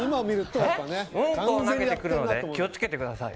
ウンコを投げてくるので気をつけてください？